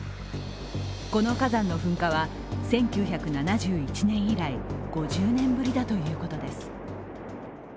この火山の噴火は１９７１年以来５０年ぶりだということです。